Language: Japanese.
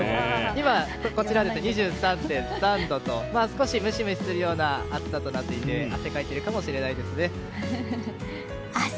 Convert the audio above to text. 今、２３．３度と少しムシムシするような暑さとなっていて汗をかくかもしれません。